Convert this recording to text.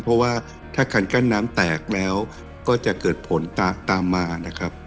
เพราะว่าถ้าคันกั้นน้ำแตกแล้วก็จะเกิดผลตามมานะครับ